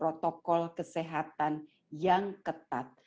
protokol kesehatan yang ketat